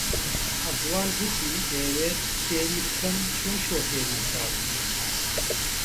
قەزوان گوتی دەیەوێت فێری بکەم چۆن شۆفێری بکات.